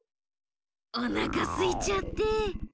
おなかすいちゃって。